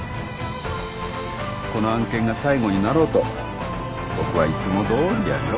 この案件が最後になろうと僕はいつもどおりやるよ。